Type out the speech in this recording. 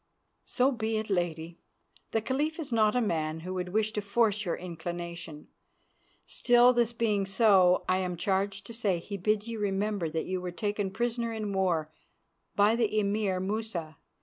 "So be it, Lady. The Caliph is not a man who would wish to force your inclination. Still, this being so, I am charged to say he bids you remember that you were taken prisoner in war by the Emir Musa.